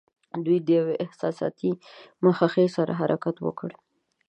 دوی د یوې احساساتي مخه ښې سره حرکت وکړ.